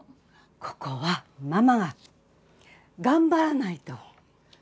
ここはママが頑張らないと。